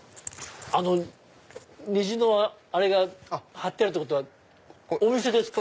虹のあれが張ってあるってことはお店ですか？